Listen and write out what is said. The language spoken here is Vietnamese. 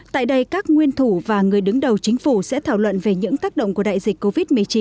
tại đây các nguyên thủ và người đứng đầu chính phủ sẽ thảo luận về những tác động của đại dịch covid một mươi chín